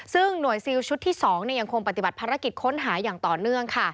ซึ่งหน่วยซิลชุดที่๒ยังคงปฏิบัติภารกิจค้นหาอย่างต่อเนื่องค่ะ